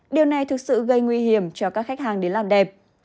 điều này thực sự gây nguy hiểm cho các khách hàng đến làm đẹp